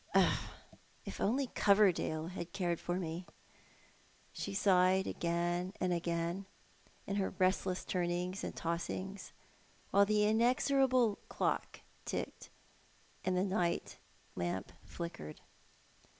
Home Questions. 259 "Oh, if Coverdale had only cared for me !" she sighed, again and again, in her restless turnings and tossings, while the in exorable clock ticked and the night lamp flickered.